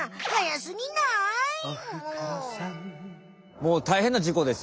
もうたいへんなじこですよ